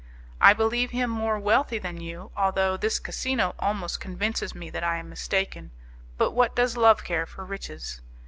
I believe him more wealthy than you, although this casino almost convinces me that I am mistaken, but what does love care for riches?